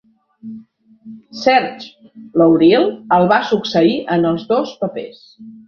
Serge Lourieel el va succeir en els dos papers.